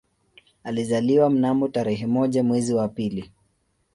Alizaliwa mnamo tarehe moja mwezi wa pili